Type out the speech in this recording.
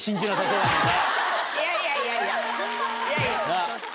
いやいやいやいやいや。